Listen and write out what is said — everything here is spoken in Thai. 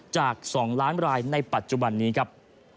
จาก๒ล้านรายในปัจจุบันนี้ครับ